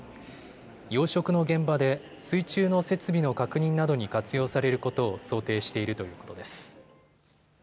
養殖の現場で水中の設備の確認などに活用されることを想定しているということです。